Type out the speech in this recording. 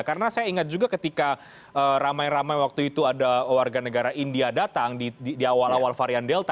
karena saya ingat juga ketika ramai ramai waktu itu ada warga negara india datang di awal awal varian delta